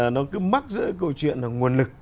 nó cứ mắc giữa câu chuyện nguồn lực